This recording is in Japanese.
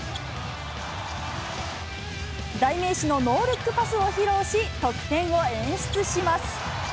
代名詞のノールックパスを披露し、得点を演出します。